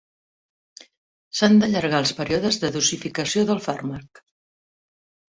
S'han d'allargar els períodes de dosificació del fàrmac.